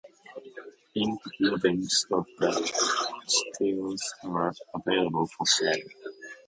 Ink rubbings of the steles are available for sale.